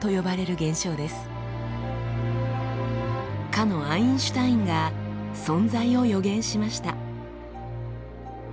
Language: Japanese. かのアインシュタインが存在を予言しました。